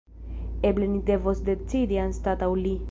Eble ni devos decidi anstataŭ li.